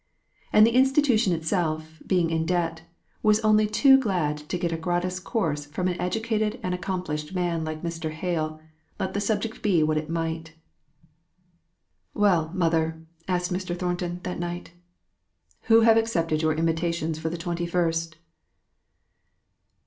And the institution itself, being in debt, was only too glad to get a gratis course from an educated and accomplished man like Mr. Hale, let the subject be what it might. "Well, mother," asked Mr. Thornton that night, "who have accepted your invitations for the twenty first?"